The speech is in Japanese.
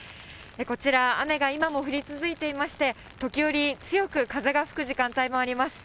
こちら、雨が今も降り続いていまして、時折、強く風が吹く時間帯もあります。